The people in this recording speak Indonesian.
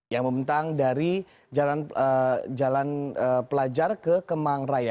yang membentang dari jalan pelajar ke kemang raya